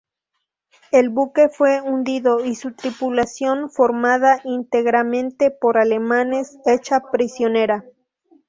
El buque fue hundido y su tripulación, formada íntegramente por alemanes, hecha prisionera.